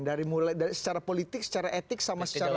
dari mulai dari secara politik secara etik sama secara